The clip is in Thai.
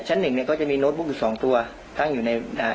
ชั้นหนึ่งเนี้ยก็จะมีโน้ตบุ๊กอยู่สองตัวตั้งอยู่ในอ่า